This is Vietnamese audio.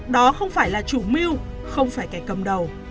đó không phải là chủ mưu không phải kẻ cầm đầu